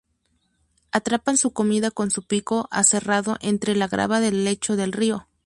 Atrapan su comida con su pico aserrado entre la grava del lecho del río.